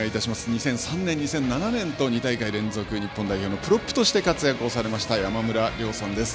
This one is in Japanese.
２００３年２００７年と２大会連続日本代表のプロップとして活躍されました山村亮さんです。